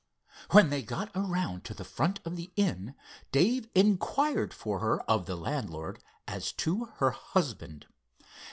When they got around to the front of the inn, Dave inquired for her of the landlord as to her husband.